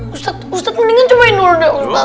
ustadz ustadz mendingan cobain dulu deh ustadz